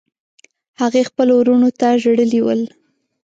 هغې خپلو وروڼو ته ژړلي ول.